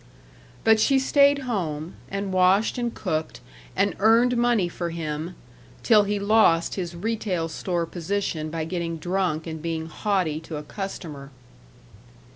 But she stayed home, and washed and cooked, and earned money for him till he lost his retail store position by getting drunk and being haughty to a customer.